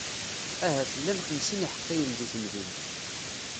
Ahat llan xemsin n iḥeqqiyen di temdint.